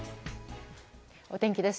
お天気です。